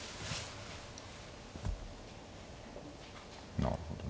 なるほどね。